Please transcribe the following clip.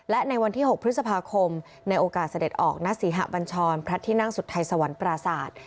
และในวันที่๖พฤษภาคมในโอกาสเสด็จออกณศรีหะบัญชรพระที่นั่งสุทัยสวรรค์ปราศาสตร์